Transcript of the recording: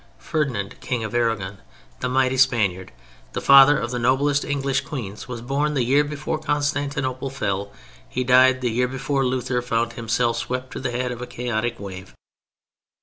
Ferdinand, King of Aragon, the mighty Spaniard, the father of the noblest of English queens, was born the year before Constantinople fell. He died the year before Luther found himself swept to the head of a chaotic wave.